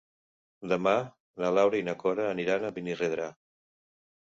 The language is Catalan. Demà na Laura i na Cora aniran a Benirredrà.